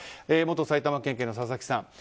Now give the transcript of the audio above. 元埼玉県警の佐々木さん。